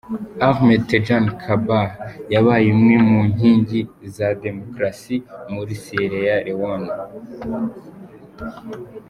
Ahmed Tejan Kabah yabaye umwe mu nkingi za demokarasi muri Sierra Leone.